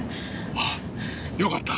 ああよかった。